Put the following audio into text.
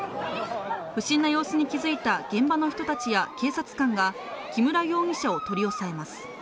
不審な様子に気づいた現場の人たちや警察官が木村容疑者を取り押さえます。